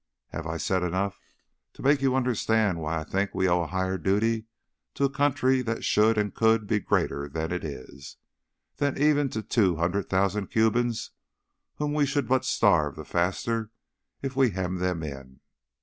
Have I said enough to make you understand why I think we owe a higher duty to a country that should and could be greater than it is, than even to two hundred thousand Cubans whom we should but starve the faster if we hemmed them in?